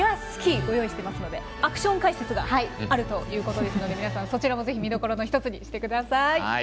スキーご用意していますのでアクション解説があるということなのでそちらも皆さん見どころの１つにしてください。